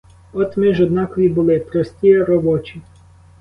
От ми ж однакові були, прості робочі.